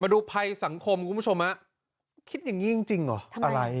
มาดูภัยสังคมคุณผู้ชมคิดอย่างนี้จริงอ๋ออะไร